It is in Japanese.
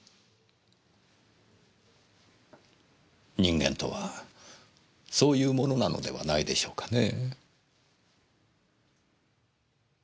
人間とはそういうものなのではないでしょうかねぇ。